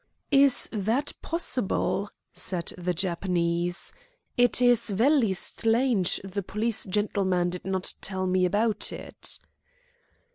"Is that possible?" said the Japanese. "It is velly stlange the police gentleman did not tell me about it."